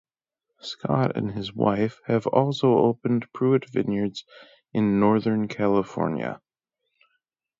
Scott and his wife have also opened Pruett Vineyards in Northern California.